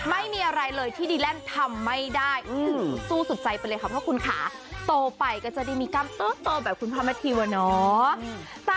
ไม่มีอะไรเลยที่ดีแลนด์ทำไม่ได้สู้สุดใจไปเลยค่ะเพราะคุณขาโตไปก็จะได้มีกรรมโตแบบคุณพระมัธีวะเนาะ